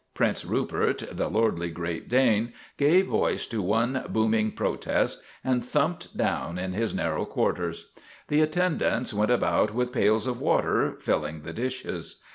Prince Rupert, the lordly Great Dane, gave voice to one booming protest, and thumped down in his narrow quarters. The attendants went about with pails of water, filling the dishes.